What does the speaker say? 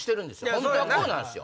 本当はこうなんすよ。